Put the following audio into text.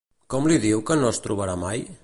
Com li diu que no es trobarà mai?